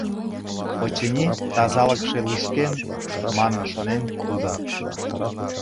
«Очыни, тазалыкше лушкен», — манын шонен тудо.